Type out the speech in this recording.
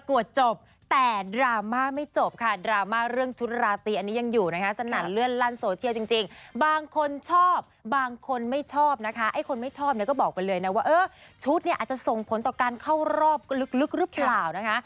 ว่าชุดอาจจะส่งผลต่อการเข้ารอบลึกหรือเปล่านะคะ